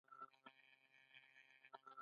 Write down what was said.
نه پوهېږم، د مینې تارونه څنګه شلول.